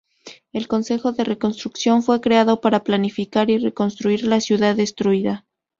El Consejo de Reconstrucción fue creado para planificar y reconstruir la ciudad destruida.